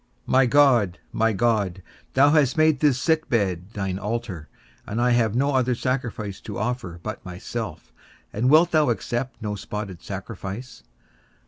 My God, my God, thou hast made this sick bed thine altar, and I have no other sacrifice to offer but myself; and wilt thou accept no spotted sacrifice?